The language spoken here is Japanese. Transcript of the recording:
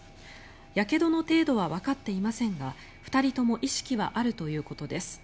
やけどの程度はわかっていませんが２人とも意識はあるということです。